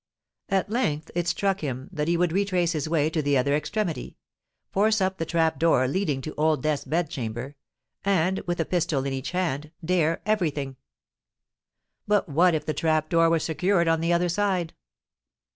At length it struck him that he would retrace his way to the other extremity—force up the trap door leading to Old Death's bed chamber—and, with a pistol in each hand, dare every thing. But what if that trap door were secured on the other side?